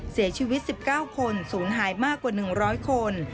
เสียชีวิต๑๙คนศูนย์หายมากกว่า๑๐๐คน